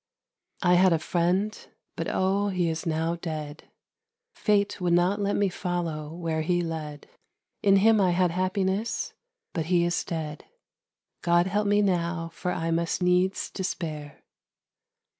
I had a friend, but, O! he is now dead. Fate would not let me follow where he led. In him I had happiness. But he is dead. _God help me now, for I must needs despair.